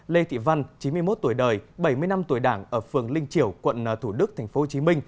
lê thị văn chín mươi một tuổi đời bảy mươi năm tuổi đảng ở phường linh triểu quận thủ đức tp hcm